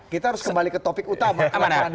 kita harus kembali ke topik utama anda